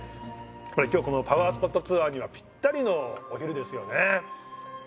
これ今日このパワースポットツアーにはピッタリのお昼ですよね。